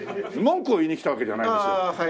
文句を言いに来たわけじゃないんです。